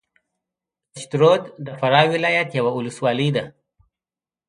پشترود د فراه ولایت یوه ولسوالۍ ده